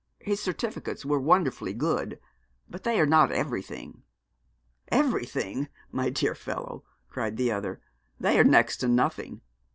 His certificates were wonderfully good, but they are not everything. 'Everything, my dear fellow,' cried the other; 'they are next to nothing.